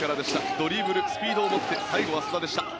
ドリブル、スピードを持って最後は須田でした。